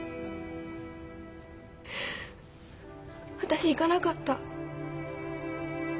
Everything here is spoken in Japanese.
私行かなかった。